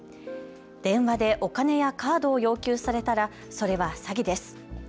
電話でお金やカードを要求されたら、それは詐欺です。